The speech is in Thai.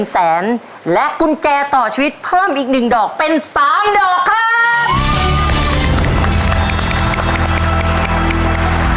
แสนและกุญแจต่อชีวิตเพิ่มอีก๑ดอกเป็น๓ดอกครับ